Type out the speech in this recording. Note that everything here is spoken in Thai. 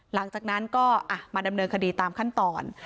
หลังจากนั้นก็มาดำเนินคดีตามขั้นตอน